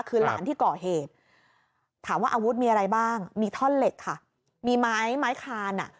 คือหลานที่ก่อเหตุถามว่าอาวุธมีอะไรบ้างมีท่อนเหล็กค่ะมีไม้ไม้คานอ่ะ